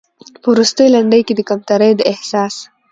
په وروستۍ لنډۍ کې د کمترۍ د احساس